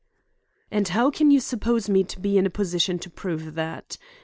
"And how can you suppose me to be in a position to prove _that?